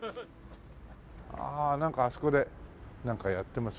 ああなんかあそこでなんかやってますけど。